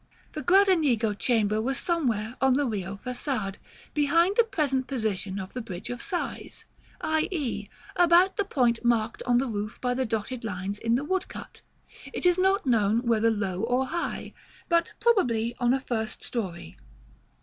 The Gradenigo Chamber was somewhere on the Rio Façade, behind the present position of the Bridge of Sighs; i.e. about the point marked on the roof by the dotted lines in the woodcut; it is not known whether low or high, but probably on a first story.